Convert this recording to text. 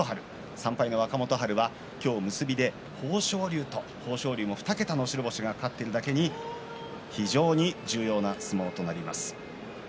３敗の若元春は今日、結びで豊昇龍も２桁の白星がかかっているだけに非常に重要な相撲となります。